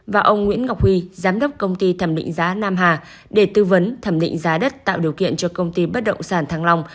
và ông nguyễn ngọc huy giám đốc công ty thẩm định giá nam hà để tư vấn thẩm định giá đất tạo điều kiện cho công ty bất động sản thăng long